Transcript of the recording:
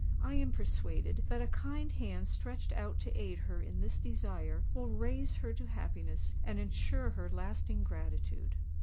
I am persuaded that a kind hand stretched out to aid her in this desire, will raise her to happiness, and ensure her lasting gratitude."